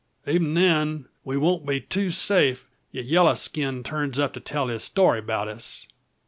Even then, we won't be too safe, if yellow skin turns up to tell his story about us.